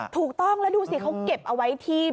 ถูกต้องแล้วดูสิเขาเก็บเอาไว้ที่